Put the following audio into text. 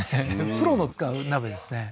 プロの使う鍋ですねふふ